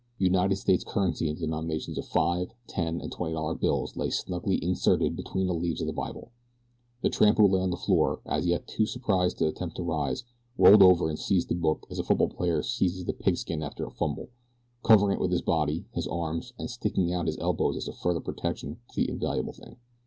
United States currency in denominations of five, ten, and twenty dollar bills lay snugly inserted between the leaves of the Bible. The tramp who lay on the floor, as yet too surprised to attempt to rise, rolled over and seized the book as a football player seizes the pigskin after a fumble, covering it with his body, his arms, and sticking out his elbows as a further protection to the invaluable thing.